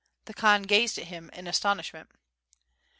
The Khan gazed at him in astonishment.